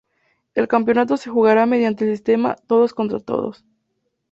El campeonato se jugará mediante el sistema todos contra todos.